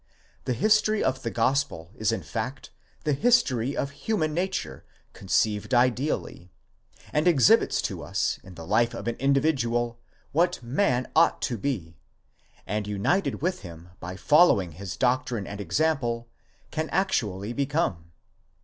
The history of the gospel is in fact the history of human nature conceived ideally, and exhibits to us in the life of an individual, what man ought to be, and, united with him by following his doctrine and example, can actually beceme.